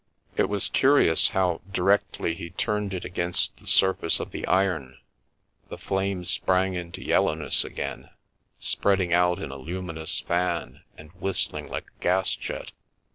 It was curious how, directly he turned it against the surface of the iron, the flame sprang into yellowness again, spreading out in a luminous fan, and whistling like a gas jet.